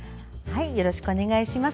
よろしくお願いします。